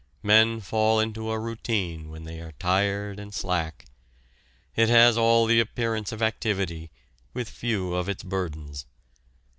Men fall into a routine when they are tired and slack: it has all the appearance of activity with few of its burdens.